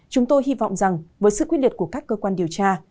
chúng tôi hy vọng rằng với sự quyết liệt của các cơ quan điều tra